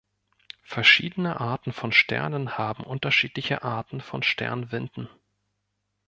Verschiedene Arten von Sternen haben unterschiedliche Arten von Sternwinden.